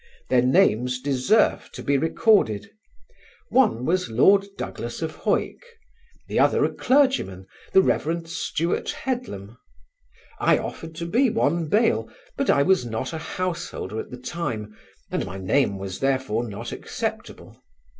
Their names deserve to be recorded; one was Lord Douglas of Hawick, the other a clergyman, the Rev. Stewart Headlam. I offered to be one bail: but I was not a householder at the time and my name was, therefore, not acceptable.